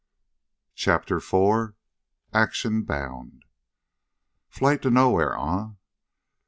_] CHAPTER FOUR Action Bound "Flight to nowhere, eh?